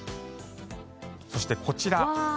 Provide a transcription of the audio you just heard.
そして、こちら。